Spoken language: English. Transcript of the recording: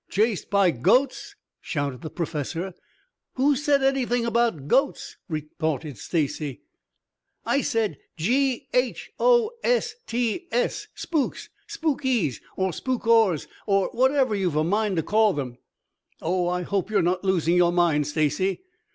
"Chased by goats?" shouted the Professor. "Who said anything about goats?" retorted Stacy. "I said g h o s t s, spooks, spookees or spookors or whatever you've a mind to call them." "Oh, I hope you are not losing your mind, Stacy."